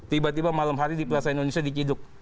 tiba tiba malam hari di plaza indonesia diciduk